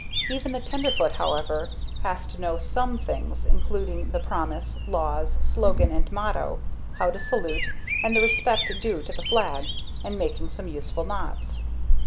Even the Tenderfoot, however, has to know some things including the Promise, Laws, Slogan and Motto, how to salute, and the respect due to the flag, and making some useful knots.